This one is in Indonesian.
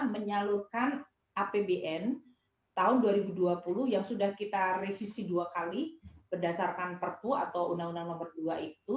menyalurkan apbn tahun dua ribu dua puluh yang sudah kita revisi dua kali berdasarkan perpu atau undang undang nomor dua itu